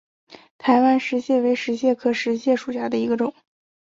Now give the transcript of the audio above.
台湾石蟹为石蟹科石蟹属下的一个种。